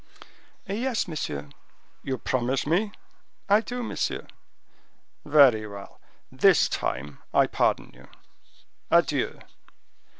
"Yes, monsieur." "You promise me?" "I do, monsieur!" "Very well; this time I pardon you. Adieu!"